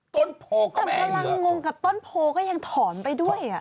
แต่มันกำลังงงกับต้นโพลก็ยังถอนไปด้วย